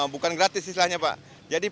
bukan gratis istilahnya pak jadi